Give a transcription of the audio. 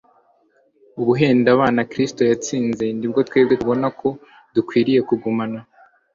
Ubuhendabana Kristo yatsinze nibwo twebwe tubona ko dukwiriye kugumana